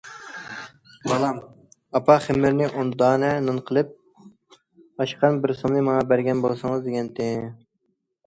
بالام‹‹ ئاپا، خېمىرنى ئون دانە نان قىلىپ ئاشقان بىر سومنى ماڭا بەرگەن بولسىڭىز›› دېگەنتى.